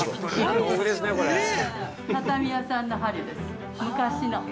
畳屋さんの針です、昔の。